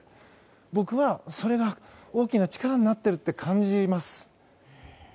僕はそれが大きな力になっているって感じます。